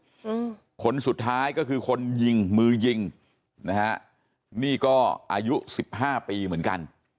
อืมคนสุดท้ายก็คือคนยิงมือยิงนะฮะนี่ก็อายุสิบห้าปีเหมือนกัน